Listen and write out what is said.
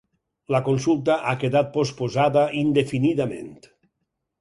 La consulta ha quedat posposada indefinidament.